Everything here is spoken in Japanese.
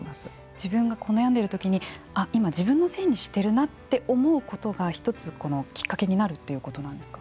自分が悩んでいる時に今、自分のせいにしてるなと思うことが一つきっかけになるということなんですか。